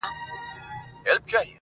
گوره زما گراني زما د ژوند شاعري.